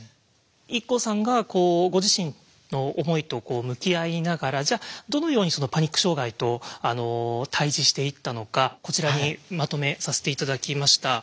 ＩＫＫＯさんがご自身の思いと向き合いながらじゃあどのようにそのパニック障害と対じしていったのかこちらにまとめさせて頂きました。